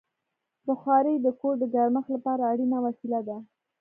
بخاري د کور د ګرمښت لپاره اړینه وسیله ده.